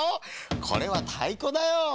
これはたいこだよ。